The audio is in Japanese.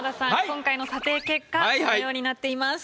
今回の査定結果このようになっています。